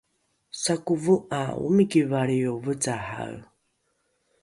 sakovo ’a omiki valrio vecahae